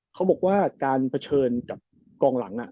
เขาบอกว่าการเผชิญกับกองหลัง